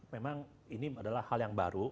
memang ini adalah hal yang baru